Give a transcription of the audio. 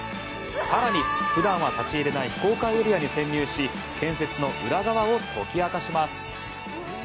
更に普段は立ち入れない非公開エリアに潜入し建設の裏側を解き明かします。